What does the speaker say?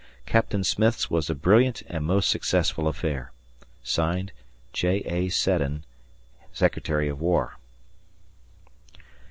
Captain Smith's was a brilliant and most successful affair. J. A. Seddon, Secretary of War.